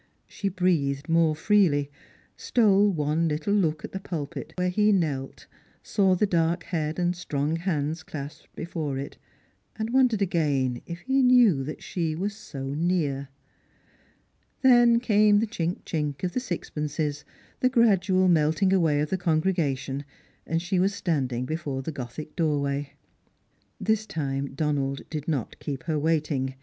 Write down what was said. She breathed more freely, stole one little look at the pulpit where he knelt, saw the dark head and strong hands clasped before it, and wondered again if he knew that she was 80 near. Then came the chink chink of the sixpences, the gradual melting away of the congregation, and she was standing efore the gotliic doorway. This time Donald did not keep her waiting.